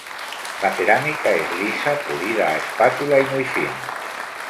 La cerámica es lisa, pulida a espátula y muy fina.